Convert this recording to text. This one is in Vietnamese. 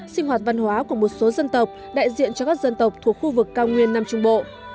sinh hoạt văn hóa của một số dân tộc đại diện cho các dân tộc thuộc khu vực cao nguyên nam trung bộ